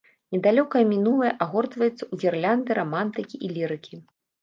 Недалёкае мінулае агортваецца ў гірлянды рамантыкі і лірыкі.